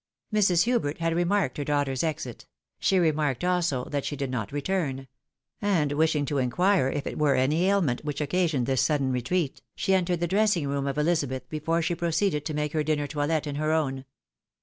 Mrs. Hubert had remarked her daughter's exit ; she re marked also that she did not retiu n, and wishing to inquire if it were any aihnent which occasioned this sudden retreat, she entered the dressing room of EUzabeth before she proceeded to make her dinner toilet in her own.